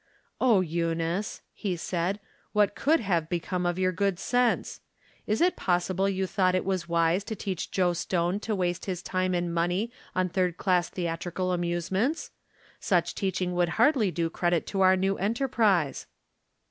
" Oh, Eunice," he said, " what could have be come of youj good sense ? Is it possible you thought it was wise to teach Joe Stone to waste his time and money on third class theatrical amusements ? Such teaching would hardly do credit to our new enterprise."